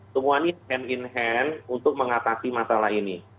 semua ini hand in hand untuk mengatasi masalah ini